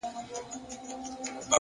مثبت انسان د تیارو منځ کې رڼا ویني